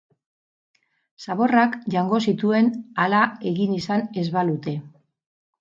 Zaborrak jango zituen hala egin izan ez balute.